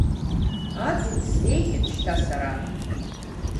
Аӡын сзеиӷьын шьҭа сара.